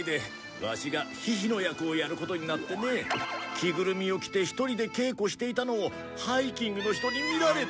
着ぐるみを着て一人で稽古していたのをハイキングの人に見られて。